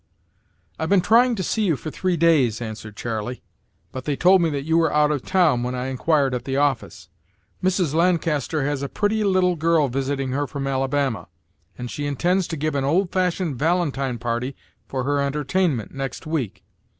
"I've been trying to see you for three days," answered Charley, "but they told me that you were out of town when I inquired at the office. Mrs. Lancaster has a pretty little girl visiting her from Alabama, and she intends to give an old fashioned valentine party for her entertainment next week.